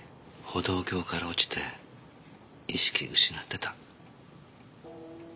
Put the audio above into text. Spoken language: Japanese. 歩道橋から落ちて意識失ってた。